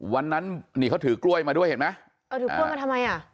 วันนั้นนี่เขาถือกล้วยมาด้วยเห็นไหมเออถือกล้วยมาทำไมอ่ะ